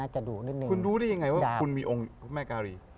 คุณรู้ได้ยังไงว่าคุณมีองค์พระแม่การี